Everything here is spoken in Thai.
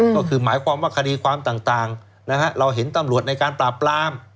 ก็คือหมายความว่าคดีความต่างเราเห็นตำรวจในการปราบปราม